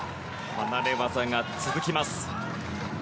離れ技が続きます。